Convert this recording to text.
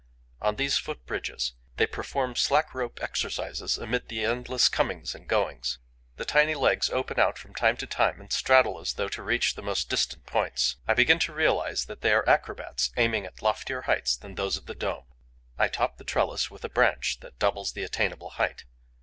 On these foot bridges, they perform slack rope exercises amid endless comings and goings. The tiny legs open out from time to time and straddle as though to reach the most distant points. I begin to realize that they are acrobats aiming at loftier heights than those of the dome. I top the trellis with a branch that doubles the attainable height.